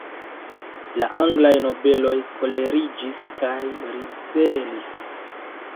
La anglaj nobeloj koleriĝis kaj ribelis.